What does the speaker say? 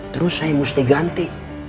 terus saya mesti ganti